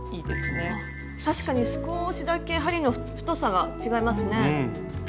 確かに少しだけ針の太さが違いますね。